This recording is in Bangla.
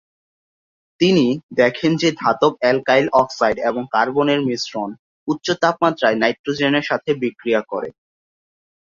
তিনি দেখেন যে ধাতব অ্যালকাইল অক্সাইড এবং কার্বনের মিশ্রণ উচ্চ তাপমাত্রায় নাইট্রোজেনের সাথে বিক্রিয়া করে।